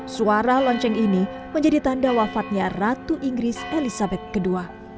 suara lonceng ini menjadi tanda wafatnya ratu inggris elizabeth ii